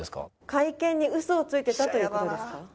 会見で嘘をついてたという事ですか？